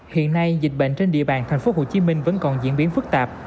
hiện nay dịch bệnh trên địa bàn tp hcm vẫn còn diễn biến phức tạp